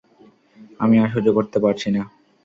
আমি আর সহ্য করতে পারছি না।